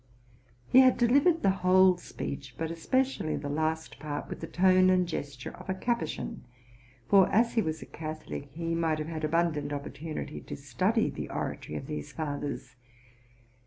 He had delivered the whole speech, but especially the last part, with the tone and gesture of a Capuchin; for, as he was a Catholic, he might have had abundant opportunity to 194 TRUTH AND FICTION study the oratory of these fathers.